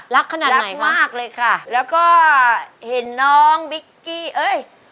ขนาดรักมากเลยค่ะแล้วก็เห็นน้องบิ๊กกี้เอ้ย